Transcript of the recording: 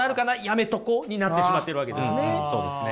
やめとこうになってしまっているわけですね。